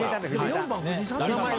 ４番藤井さん？